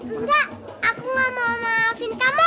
enggak aku gak mau maafin kamu